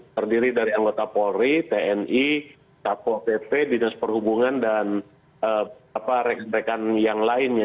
terdiri dari anggota polri tni kpp dinas perhubungan dan reksprekan yang lainnya